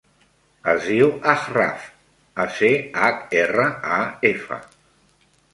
Es diu Achraf: a, ce, hac, erra, a, efa.